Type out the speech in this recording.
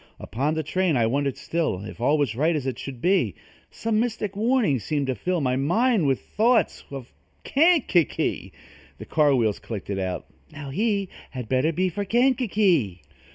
Upon the train I wondered still If all was right as it should be. Some mystic warning seemed to fill My mind with thoughts of Kankakee, The car wheels clicked it out: "Now, he Had better be for Kankakee!"